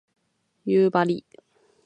夕張